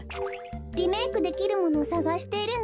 リメークできるものをさがしているの。